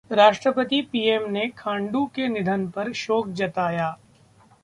राष्ट्रपति, पीएम ने खांडू के निधन पर शोक जताया